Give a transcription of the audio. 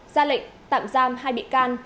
ra lệnh tạm giam hai bị can